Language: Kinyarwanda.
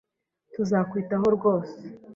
Tuzakwitaho rwose.